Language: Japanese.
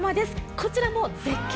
こちらも絶景。